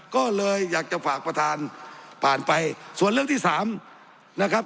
ก็เลยอยากจะฝากประธานผ่านไปส่วนเรื่องที่สามนะครับ